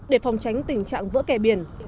để phòng tránh tình trạng vỡ kè biển